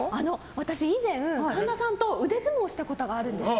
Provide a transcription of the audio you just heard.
私、以前、神田さんと腕相撲したことがあるんですよ。